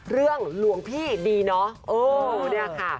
เรื่องหลวงพี่ดีเนาะโอ้เนี่ยค่ะ